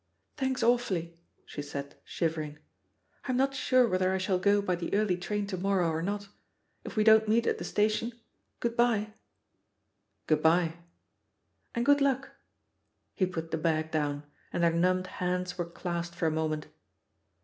"Thanks awfully," she said, shivering. "I'm not sure whether I shall go by the early train to morrow or not — ^if we don't meet at the station, good bye." "Good bye." *^And good luckl" He put the bag down, and their numbed hands were clasped for a moment.